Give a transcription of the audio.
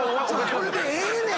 これでええねん。